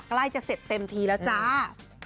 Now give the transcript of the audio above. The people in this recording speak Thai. ใกล้จะเสร็จเต็มทีแล้วจ้า